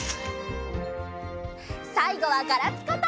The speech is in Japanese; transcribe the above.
さいごはガラピコと。